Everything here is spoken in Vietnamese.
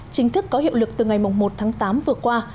chính thức có hiệu lực từ ngày một tháng tám vừa qua